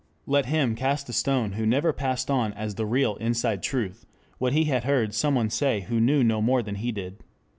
Let him cast a stone who never passed on as the real inside truth what he had heard someone say who knew no more than he did.